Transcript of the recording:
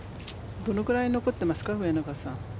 どのぐらい残っていますか？